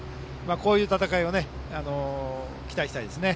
こういう戦いを期待したいです。